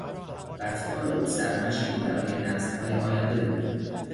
رفتار او سرمشقی برای نسلهای آینده بود.